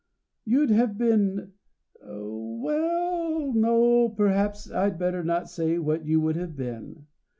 You'd have been well no, perhaps I'd better not say what you would have been.